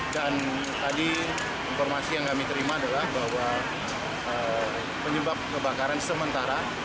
dan tadi informasi yang kami terima adalah bahwa penyebab kebakaran sementara